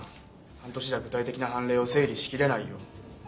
半年じゃ具体的な判例を整理しきれないよ。